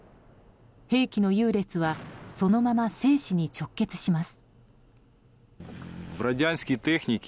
兵器の優劣はそのまま生死に直結します。